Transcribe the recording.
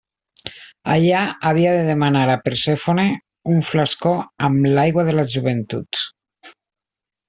Allà havia de demanar a Persèfone un flascó amb l'aigua de la joventut.